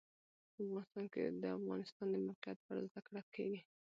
افغانستان کې د د افغانستان د موقعیت په اړه زده کړه کېږي.